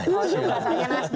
oh itu perasaannya nasdem